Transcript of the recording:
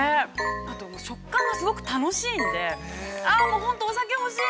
あと食感がすごく楽しいんで、ああ、本当、お酒欲しい。